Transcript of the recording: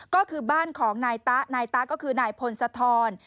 ก็คือบ้านของนายตะนายตะก็คือนายพงศธร